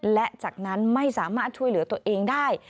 และจากนั้นไม่สามารถช่วยเหลือตัวเองได้